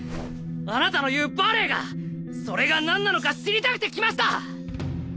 あなたの言うバレエがそれがなんなのか知りたくて来ました！